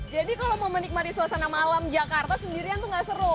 jadi kalau mau menikmati suasana malam jakarta sendirian tuh gak seru